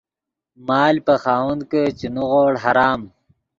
مال پے خاوند کہ چے نیغوڑ حرام